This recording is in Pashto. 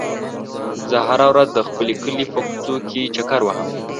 زه هره ورځ د خپل کلي په کوڅو کې چکر وهم.